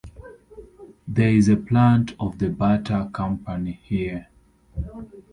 There is a plant of the Bata company here.